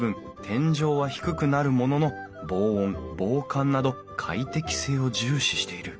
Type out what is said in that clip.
天井は低くなるものの防音防寒など快適性を重視している